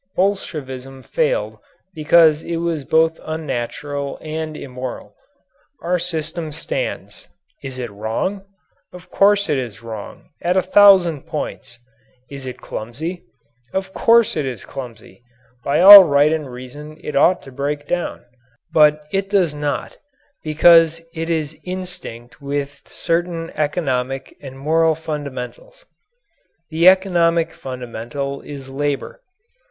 Bolshevism failed because it was both unnatural and immoral. Our system stands. Is it wrong? Of course it is wrong, at a thousand points! Is it clumsy? Of course it is clumsy. By all right and reason it ought to break down. But it does not because it is instinct with certain economic and moral fundamentals. The economic fundamental is labour.